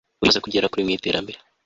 uriya amaze kugera kure mu itera mbere